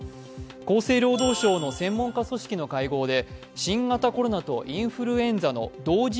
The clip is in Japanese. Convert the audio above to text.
厚生労働省の専門家組織の会合で新型コロナとインフルエンザの同時